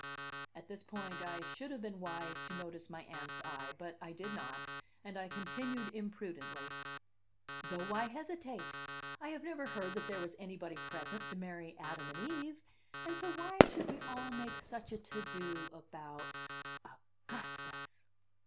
At this point I should have been wise to notice my Aunt's eye; but I did not, and I continued imprudently: "Though why hesitate? I have never heard that there was anybody present to marry Adam and Eve, and so why should we all make such a to do about " "Augustus!"